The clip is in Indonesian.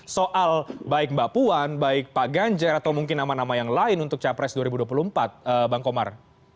soal baik mbak puan baik pak ganjar atau mungkin nama nama yang lain untuk capres dua ribu dua puluh empat bang komar